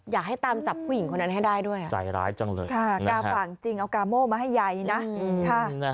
อยากให้ตามจับผู้หญิงคนนั้นให้ได้ด้วยใจร้ายจังเลยค่ะกาฝั่งจริงเอากาโม่มาให้ยายนะ